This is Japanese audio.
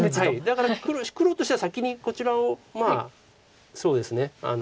だから黒としては先にこちらをそうですね。